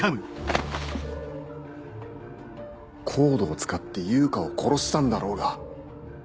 ＣＯＤＥを使って悠香を殺したんだろうが。